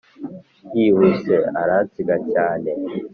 Yihuse aransiga cyane